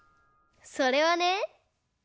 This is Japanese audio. それはね